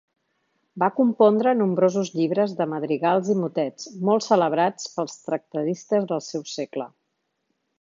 Va compondre nombrosos llibres de madrigals i motets, molt celebrats pels tractadistes del seu segle.